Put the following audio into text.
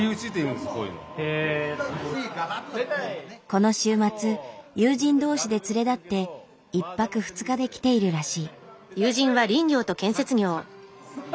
この週末友人同士で連れ立って１泊２日で来ているらしい。